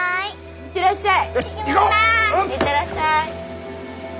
行ってらっしゃい。